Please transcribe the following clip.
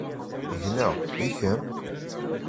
Gneɣ, i kemm?